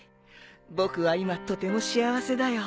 僕は今とても幸せだよ。